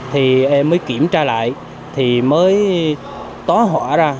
thì em mới kiểm tra lại thì mới tóa họa ra